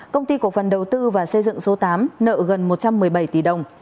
công ty cổ phần đầu tư và xây dựng số tám nợ gần một trăm một mươi bảy tỷ đồng